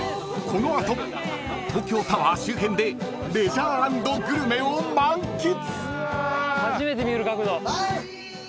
［この後東京タワー周辺でレジャー＆グルメを満喫］